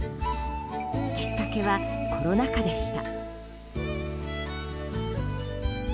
きっかけは、コロナ禍でした。